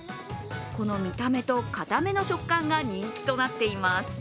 この見た目と硬めの食感が人気となっています。